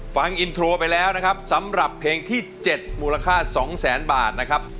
ฟังอินโทรไปแล้วนะครับสำหรับเพลงที่๗มูลค่า๒แสนบาทนะครับ